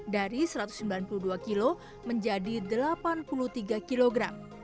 dari satu ratus sembilan puluh dua kg menjadi delapan puluh tiga kg